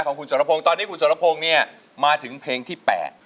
คุณสอรพงตอนนี้คุณสอรพงเนี่ยมาถึงเพลงที่๘